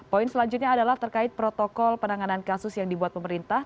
poin selanjutnya adalah terkait protokol penanganan kasus yang dibuat pemerintah